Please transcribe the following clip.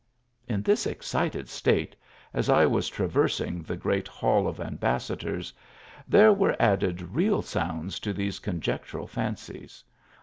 In this excited state, as I was traversing the great Hall of Ambassadors, there were added real sounds to these conjectural fancies.